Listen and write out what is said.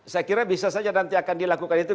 saya kira bisa saja nanti akan dilakukan itu